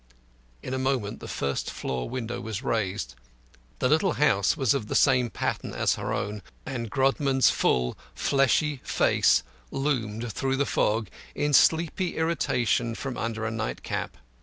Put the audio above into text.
In a moment the first floor window was raised the little house was of the same pattern as her own and Grodman's full fleshy face loomed through the fog in sleepy irritation from under a nightcap.